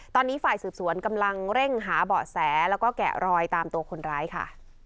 ตอนนี้ฝ่ายสืบสวนกำลังเร่งหาเบาะแสแล้วก็แกะรอยตามตัวคนร้ายค่ะ